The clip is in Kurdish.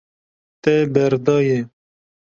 Te berdaye.